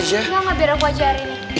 engga gak biar aku aja hari ini